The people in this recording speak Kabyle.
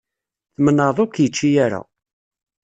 Tmenεeḍ ur k-yečči ara.